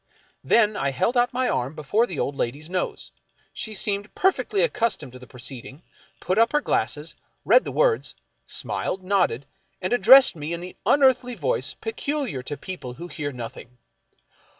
Then I held out my arm before the old lady's nose. She seemed perfectly accus tomed to the proceeding, put up her glasses, read the words, smiled, nodded, and addressed me in the unearthly voice peculiar to people who hear nothing.